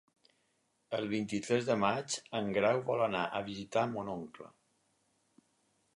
El vint-i-tres de maig en Grau vol anar a visitar mon oncle.